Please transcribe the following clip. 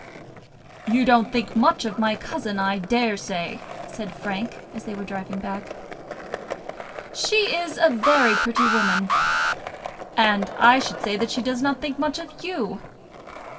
"You don't think much of my cousin, I daresay," said Frank, as they were driving back. "She is a very pretty woman." "And I should say that she does not think much of you."